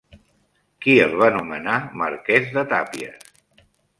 Qui el va nomenar marquès de Tàpies?